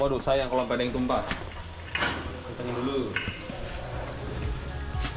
waduh sayang kalau pada yang tumpah